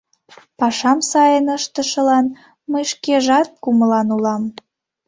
Пашам сайын ыштышылан мый шкежат кумылан улам.